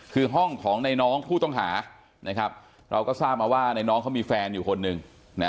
คือห้องของใครน้องผู้ต้องหาเราก็ทราบมาว่าใครน้องมีแฟนอยู่คนหนึ่ง